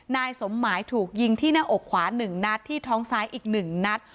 นายสมหมายถูกยิงที่หน้าอกขวา๑นัดที่ท้องซ้ายอีก๑นัด